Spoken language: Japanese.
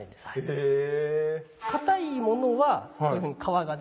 へぇ。